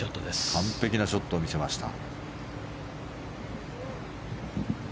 完璧なショットを見せました。